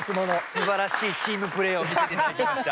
すばらしいチームプレイを見せて頂きました。